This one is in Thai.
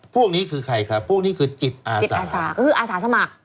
พวกนี้คือใครครับพวกนี้คือจิตอาจิตอาสาก็คืออาสาสมัคร